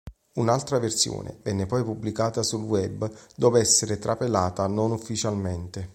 Un'altra versione venne poi pubblicata sul web dopo essere trapelata non ufficialmente.